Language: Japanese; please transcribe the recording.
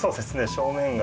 正面が。